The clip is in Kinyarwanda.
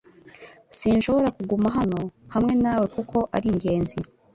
Sinshobora kuguma hano hamwe nawe kuko ari ingenzi